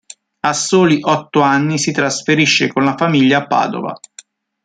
A soli otto anni si trasferisce con la famiglia a Padova.